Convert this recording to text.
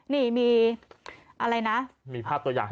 นี่มีอะไรนะมีภาพตัวอย่าง